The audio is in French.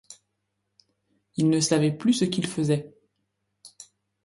Il ne savait plus ce qu'il faisait.